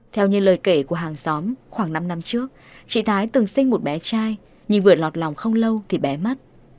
theo như lời kể của hàng xóm khoảng năm năm trước chị thái từng sinh một bé trai nhưng vượt lọt lòng không lâu thì bé mất